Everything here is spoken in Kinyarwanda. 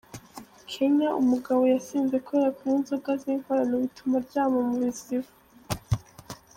Kenya umugabo yasinze kubera kunywa inzoga z’ inkorano bituma aryama mu biziba.